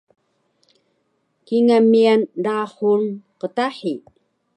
Kingal miyan rahul qtahi